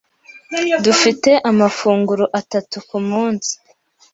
Dufite amafunguro atatu kumunsi.